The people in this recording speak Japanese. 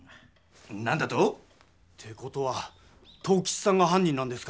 なんだと⁉って事は藤吉さんがはん人なんですか？